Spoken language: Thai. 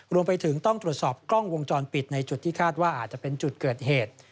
รวมไปถึงต้องตรวจสอบกล้องวงจรปิดในจุดที่คาดว่าอาจจะเป็นจุดเกิดเหตุ